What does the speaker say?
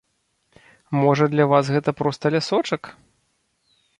Можа, для вас гэта проста лясочак?